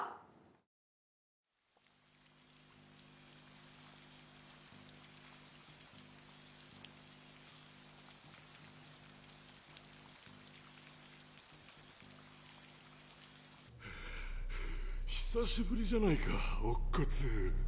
ザァーーはぁ久しぶりじゃないか乙骨。